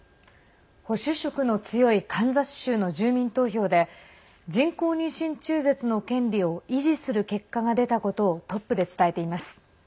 保守色の強いカンザス州の住民投票で人工妊娠中絶の権利を維持する結果が出たことをトップで伝えています。